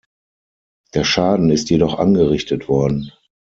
Der Schaden ist jedoch angerichtet worden.